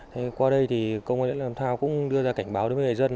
thế qua đây thì công an lãnh thao cũng đưa ra cảnh báo đối với người dân